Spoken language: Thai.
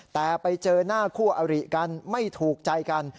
แต่ไปเจอหน้าคู่อริกันไม่ถูกใจกัน